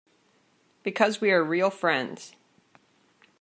Because we are real friends.